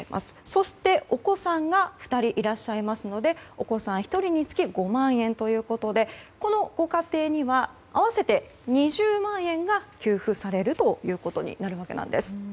そして、お子さんが２人いらっしゃいますのでお子さん１人につき５万円ということでこのご家庭には合わせて２０万円が給付されるということになるわけです。